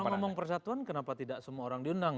kalau ngomong persatuan kenapa tidak semua orang diundang